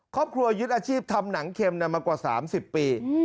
ครอบครัวยึดอาชีพทำหนังเข็มมากว่า๓๐ปี